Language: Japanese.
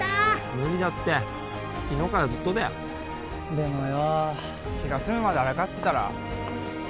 無理だって昨日からずっとだよでもよ気が済むまで歩かせてたら？